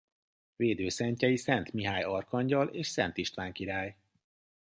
Védőszentjei Szent Mihály arkangyal és Szent István király.